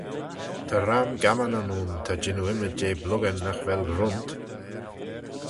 Ta ram gammanyn ayn ta jannoo ymmyd jeh bluckan nagh vel runt!